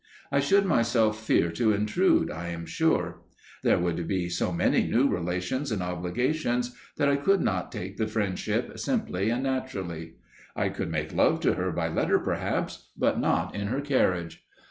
I should myself fear to intrude, I am sure. There would be so many new relations and obligations that I could not take the friendship simply and naturally. I could make love to her by letter, perhaps, but not in her carriage.